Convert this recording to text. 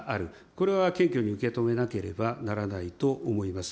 これは謙虚に受け止めなければならないと思います。